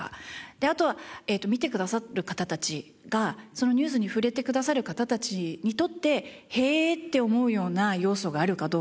あとは見てくださる方たちがそのニュースに触れてくださる方たちにとって「へえ」って思うような要素があるかどうか。